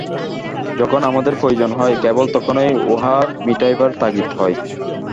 যখনই আমাদের প্রয়োজন হয়, কেবল তখনই উহা মিটাইবার তাগিদ হয়।